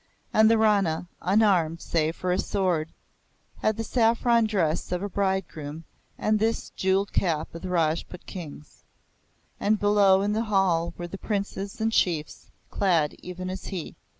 And the Rana, unarmed save for his sword, had the saffron dress of a bridegroom and the jeweled cap of the Rajput Kings, and below in the hall were the Princes and Chiefs, clad even as he.